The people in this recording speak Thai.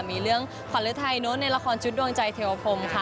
มีเรื่องขวัญฤทัยเนอะในละครชุดดวงใจเทวพรมค่ะ